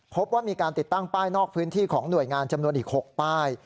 พบว่ามีการติดตั้งป้ายนอกพื้นที่ของหน่วยงานจำนวนอีก๖ป้าย